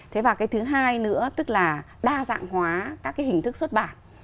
thế và cái thứ hai nữa tức là đa dạng hóa các cái hình thức xuất bản